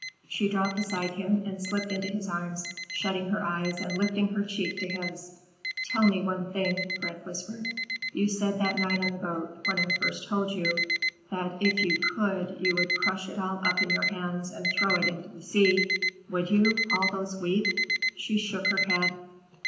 She dropped beside him and slipped into his arms, shutting her eyes and lifting her cheek to his. "Tell me one thing," Fred whispered. "You said that night on the boat, when I first told you, that if you could you would crush it all up in your hands and throw it into the sea. Would you, all those weeks?" She shook her head.